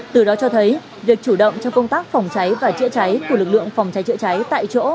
từ đó cho thấy việc chủ động trong công tác phòng cháy và chữa cháy của lực lượng phòng cháy chữa cháy tại chỗ